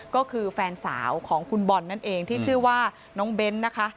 ก็คือแฟนสาวของคุณบอลนั่นเองที่ชื่อว่าน้องเบ้นนะคะ